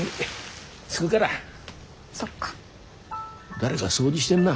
誰が掃除してんな。